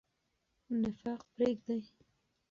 نفاق پریږدئ.